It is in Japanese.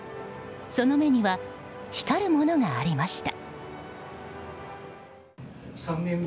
その目には光るものがありました。